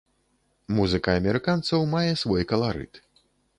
Музыка амерыканцаў мае свой каларыт.